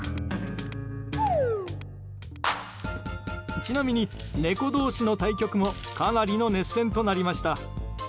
ちなみに、猫同士の対局もかなりの熱戦となりました。